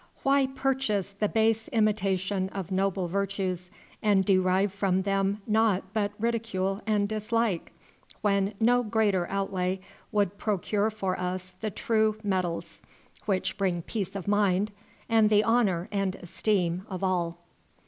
Why purchase the base imitation of noble virtues, and derive from them naught but ridicule and dislike, when no greater outlay would procure for us the true metals, which bring peace of mind and the honor and esteem of all.